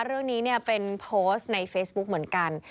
เรื่องนี้เนี่ยเป็นโพสต์ในเฟซบุ๊กเหมือนกัน